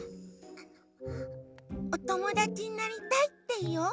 あのおともだちになりたいっていおう！